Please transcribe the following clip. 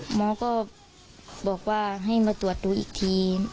หมอก็บอกว่าให้มาตรวจดูอีกที